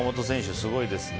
すごいですね。